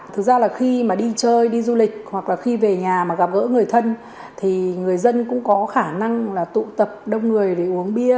thực ra là khi mà đi chơi đi du lịch hoặc là khi về nhà mà gặp gỡ người thân thì người dân cũng có khả năng là tụ tập đông người để gặp gỡ người thân